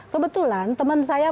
kebetulan teman saya